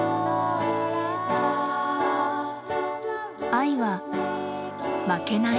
愛は負けない。